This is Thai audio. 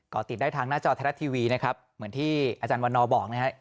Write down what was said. ก็ติดได้ทางหน้าจอไทยรัฐทีวีนะครับเหมือนที่อาจารย์วันนอร์บอกนะครับ